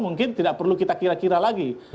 mungkin tidak perlu kita kira kira lagi